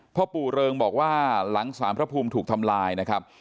พ่อปู่เริงบอกว่าหลังสารพระภูมิถูกทำลายนะครับ